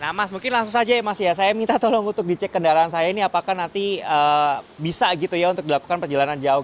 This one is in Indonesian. nah mas mungkin langsung saja ya mas ya saya minta tolong untuk dicek kendaraan saya ini apakah nanti bisa gitu ya untuk dilakukan perjalanan jauh